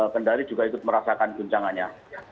kendali juga ikut merasakan guncangannya